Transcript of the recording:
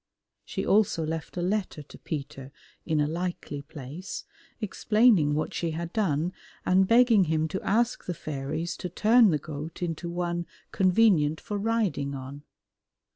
She also left a letter to Peter in a likely place, explaining what she had done, and begging him to ask the fairies to turn the goat into one convenient for riding on.